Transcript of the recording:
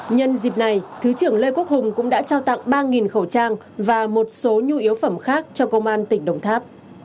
nhân dịp này thứ trưởng lê quốc hùng cũng đã trao tặng ba khẩu trang và một số nhu yếu phẩm khác cho công an tỉnh đồng tháp